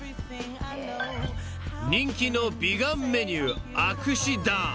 ［人気の美顔メニューアクシダーム］